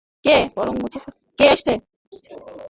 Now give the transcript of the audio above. বরং মুছে ফেলে দিলে বেকার জীবন অবসানের ক্ষীণতম একটা সম্ভাবনা থাকে।